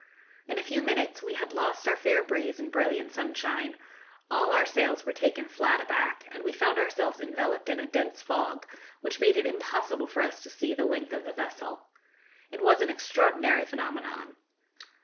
In a few minutes we had lost our fair breeze and brilliant sunshine, all our sails were taken flat aback, and we found ourselves enveloped in a dense fog, which made it impossible for us to see the length of the vessel. It was an extraordinary phenomenon.